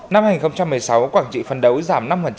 năm hai nghìn một mươi sáu quảng trị phân đấu giảm năm